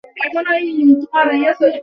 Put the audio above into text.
মায়া আর আমি সম্মত হয়েছিলাম।